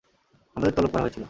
আমাদের তলব করা হয়েছিল।